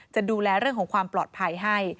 จะดูแลเรื่องของความปลอดภัยให้